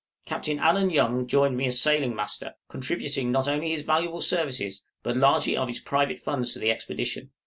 Captain Allen Young joined me as sailing master, contributing not only his valuable services but largely of his private funds to the expedition.